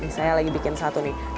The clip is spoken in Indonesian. saya lagi bikin satu nih